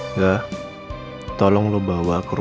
saya akan mencoba untuk memperbaiki pernikahanmu